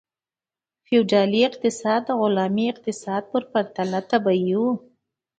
فیوډالي اقتصاد د غلامي اقتصاد په پرتله طبیعي و.